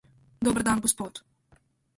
Dober dan, gospod.